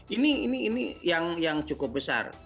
ini yang cukup besar